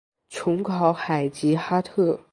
琼考海吉哈特。